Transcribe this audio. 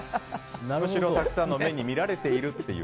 むしろお客さんの目に見られているっていう。